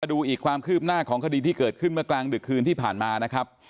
ดูอีกความคืบหน้าของคดีที่เกิดขึ้นเมื่อกลางดึกคืนที่ผ่านมานะครับ